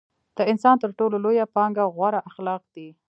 د انسان تر ټولو لويه پانګه غوره اخلاق دي.